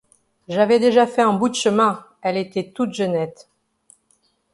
J’avais déjà fait un bout de chemin, elle était toute jeunette.